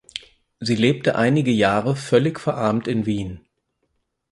Sie lebte einige Jahre völlig verarmt in Wien.